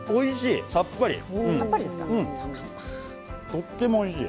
とってもおいしい！